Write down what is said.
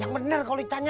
yang bener kalo ditanya